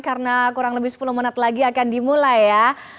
karena kurang lebih sepuluh menit lagi akan dimulai ya